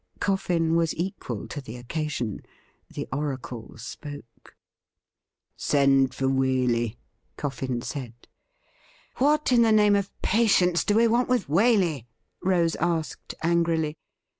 Coffin was equal to tiie occasion. The oracle spoke. • Send for Waley,' Coffin said. 'What in the name of patience do we want with Waley ? Rose asked angrily.